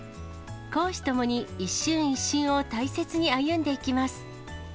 公私共に一瞬一瞬を大切に歩んでいきます。